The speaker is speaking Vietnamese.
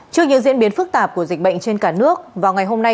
trước những diễn biến phức tạp của dịch bệnh trên cả nước vào ngày hôm nay